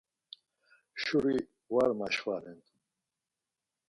Şuri var maşvanen.